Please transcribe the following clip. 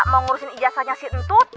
mau ngurusin ijazahnya si entut